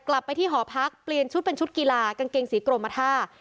กลับไปที่หอพักเปลี่ยนชุดเป็นชุดกีฬากางเกงสีกรมท่า